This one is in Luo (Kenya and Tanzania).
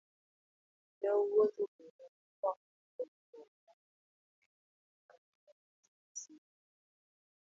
Ne owuotho kendo okwang' ka jakong'o ma omadho makech kaka Majonzi ya simba.